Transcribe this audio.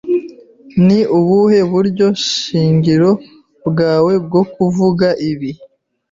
Ni ubuhe buryo shingiro bwawe bwo kuvuga ibi?